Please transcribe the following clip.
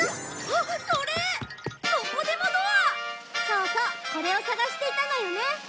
そうそうこれを探していたのよね。